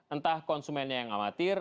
entah konsumennya yang amatir